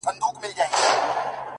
o د تورو زلفو په هر تار راته خبري کوه ـ